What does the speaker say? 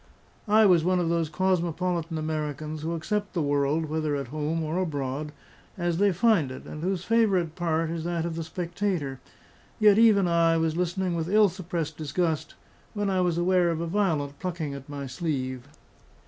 I was one of those cosmopolitan Americans, who accept the world (whether at home or abroad) as they find it, and whose favourite part is that of the spectator; yet even I was listening with ill suppressed disgust, when I was aware of a violent plucking at my sleeve.